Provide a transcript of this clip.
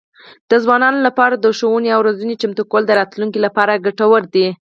د ځوانانو لپاره د ښوونې او روزنې چمتو کول د راتلونکي لپاره ګټور دي.